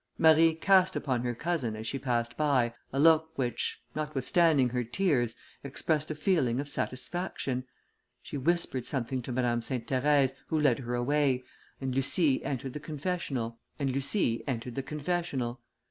Marie cast upon her cousin, as she passed by, a look which, notwithstanding her tears, expressed a feeling of satisfaction. She whispered something to Madame Sainte Therèse, who led her away, and Lucie entered the confessional.